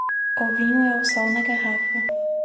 O vinho é o sol na garrafa.